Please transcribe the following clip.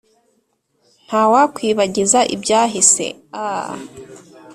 ntawakwibagiza ibyahise, aaah